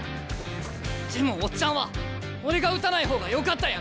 でもオッチャンは俺が打たない方がよかったやろ。